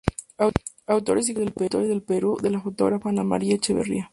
Autores y Compositores del Perú"“, de la fotógrafa Ana María Echeverría.